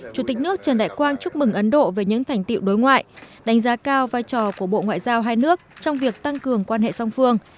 chủ tịch nước trần đại quang chúc mừng ấn độ về những thành tiệu đối ngoại đánh giá cao vai trò của bộ ngoại giao hai nước trong việc tăng cường quan hệ song phương